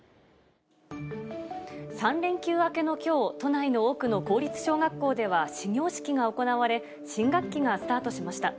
３連休明けのきょう、都内の多くの公立小学校では始業式が行われ、新学期がスタートしました。